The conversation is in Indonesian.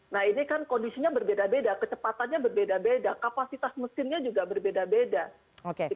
nah ini kan kondisinya berbeda beda kecepatannya berbeda beda kapasitas mesinnya juga berbeda beda